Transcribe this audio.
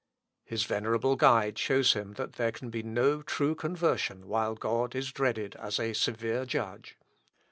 His venerable guide shows him that there can be no true conversion while God is dreaded as a severe Judge.